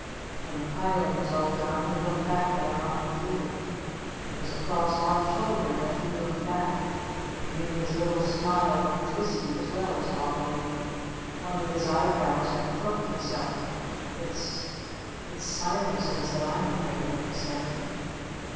When the piling was all done he looked back at our Uncle Peter. It was across one shoulder that he looked back. It made his little smile look twisty as well as wobbly. One of his eyebrows had crooked itself. "It's It's SILENCES that I'm afraid of," he said.